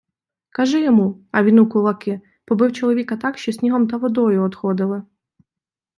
Кажи йому, а він у кулаки, побив чоловіка так, що снігом та водою одходили.